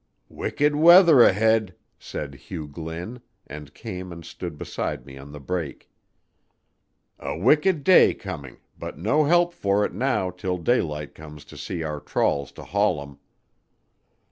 "Wicked weather ahead," said Hugh Glynn, and came and stood beside me on the break. "A wicked day coming, but no help for it now till daylight comes to see our trawls to haul 'em."